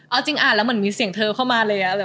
เอาจริงอ่านแล้วเหมือนมีเสียงเธอเข้ามาเลย